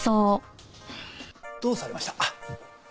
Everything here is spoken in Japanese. どうされました？